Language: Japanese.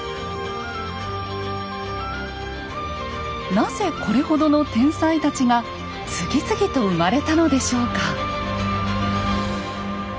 なぜこれほどの天才たちが次々と生まれたのでしょうか？